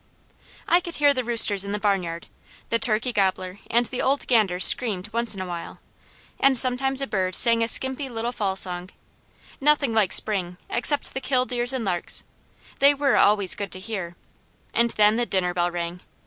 I could hear the roosters in the barnyard, the turkey gobbler, and the old ganders screamed once in a while, and sometimes a bird sang a skimpy little fall song; nothing like spring, except the killdeers and larks; they were always good to hear and then the dinner bell rang.